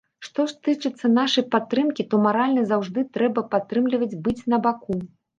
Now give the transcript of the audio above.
Што ж тычыцца нашай падтрымкі, то маральна заўжды трэба падтрымліваць, быць на баку.